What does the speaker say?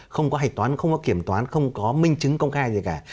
không có hạch toán không có kiểm toán không có minh chứng công khai gì cả